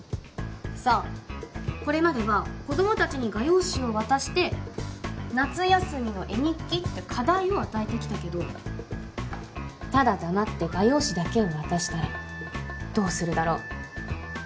そうこれまでは子ども達に画用紙を渡して「夏休みの絵日記」って課題を与えてきたけどただ黙って画用紙だけを渡したらどうするだろう？